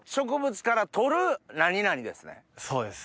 そうです。